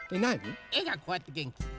えがこうやってげんき。